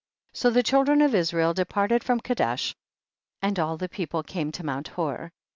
29. So the children of Israel de parted from Kadesh, and all the peo ple came to mount Hor.